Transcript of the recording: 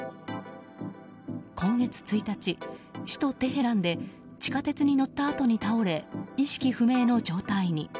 今月１日、首都テヘランで地下鉄に乗ったあとに倒れ意識不明の状態に。